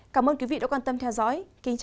cảm ơn quý vị đã quan tâm theo dõi